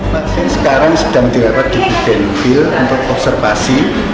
masih sekarang sedang dirawat di bukit denville untuk observasi